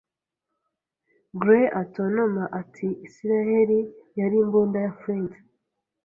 Gray atontoma ati: "Isiraheli yari imbunda ya Flint."